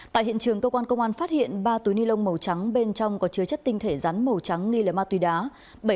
tại hiện trường cơ quan công an phát hiện ba túi ni lông màu trắng bên trong có chứa chất tinh thể rắn màu trắng nghi là ma túy đá